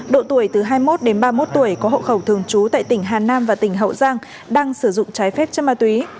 độ tuổi từ hai mươi một đến ba mươi một tuổi có hậu khẩu thường trú tại tỉnh hà nam và tỉnh hậu giang đang sử dụng trái phép chất ma túy